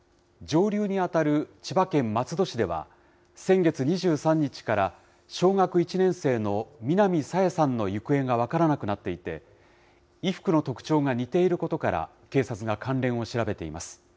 上流に当たる千葉県松戸市では、先月２３日から小学１年生の南朝芽さんの行方が分からなくなっていて、衣服の特徴が似ていることから、警察が関連を調べています。